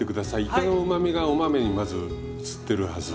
いかのうまみがお豆にまずうつってるはず。